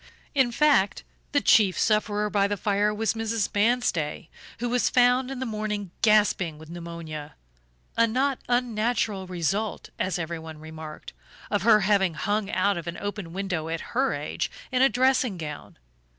In fact, the chief sufferer by the fire was Mrs. Manstey, who was found in the morning gasping with pneumonia, a not unnatural result, as everyone remarked, of her having hung out of an open window at her age in a dressing gown.